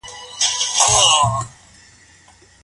جزيه يو مالي مکلفيت دی.